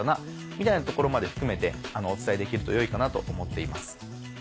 みたいなところまで含めてお伝えできると良いかなと思っています。